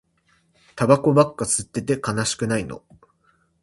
タバコばっか吸ってて悲しくないの